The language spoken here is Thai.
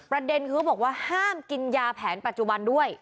ประเด็นคือเขาบอกว่าห้ามกินยาแผนปัจจุบันด้วย